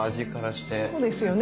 そうですよね。